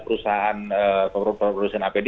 perusahaan perusahaan apd